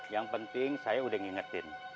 yang penting saya udah ngingetin